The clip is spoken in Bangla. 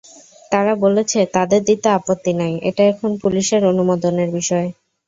তারা বলেছে, তাদের দিতে আপত্তি নেই, এটা এখন পুলিশের অনুমোদনের বিষয়।